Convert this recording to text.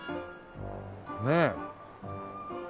ねえ。